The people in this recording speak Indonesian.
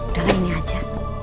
udah lah ini aja